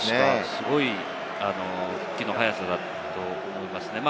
すごい復帰の早さだと思いますね。